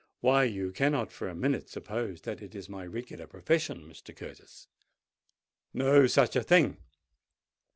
"Why, you cannot for a minute suppose that it is my regular profession, Mr. Curtis? No such a thing!